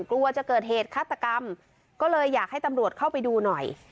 กลัวจะเกิดเหตุฆาตกรรมก็เลยอยากให้ตำรวจเข้าไปดูหน่อย